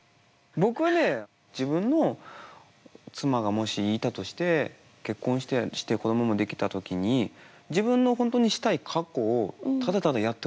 僕ね自分の妻がもしいたとして結婚して子供も出来た時に自分の本当にしたい格好をただただやってほしいって僕は伝える。